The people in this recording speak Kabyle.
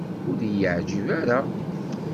Ur iyi-yeɛjib ara.